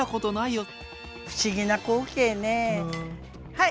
はい。